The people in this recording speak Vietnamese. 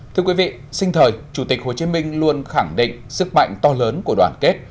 thưa quý vị sinh thời chủ tịch hồ chí minh luôn khẳng định sức mạnh to lớn của đoàn kết